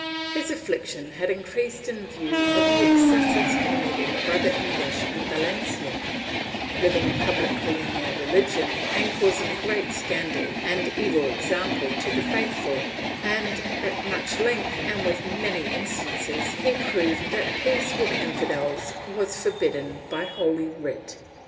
His affliction had increased in view of the excesses committed by the English in Valencia, hving pub hcly in their rehgion and causing great scandal and evil example to the faithful and, at much length and with many instances, he proved that peace with infidels was forbidden by Holy Writ.